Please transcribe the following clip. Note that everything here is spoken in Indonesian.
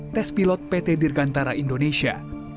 tes pilot pt dirgantara indonesia